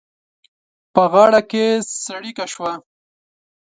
په غاړه کې څړيکه شوه.